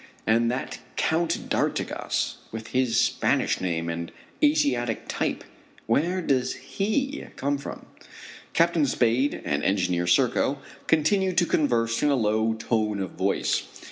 And that Count d'Artigas, with his Spanish name and Asiatic type, where does he come from? Captain Spade and Engineer Serko continue to converse in a low tone of voice.